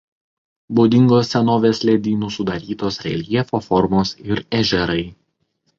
Būdingos senovės ledynų sudarytos reljefo formos ir ežerai.